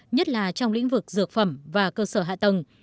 nhất là trong lĩnh vực dược phẩm và cơ sở hạ tầng